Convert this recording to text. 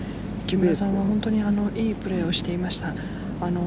木村さんは本当に良いプレーをしていました。